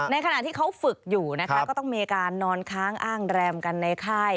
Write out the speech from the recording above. ขณะที่เขาฝึกอยู่นะคะก็ต้องมีการนอนค้างอ้างแรมกันในค่าย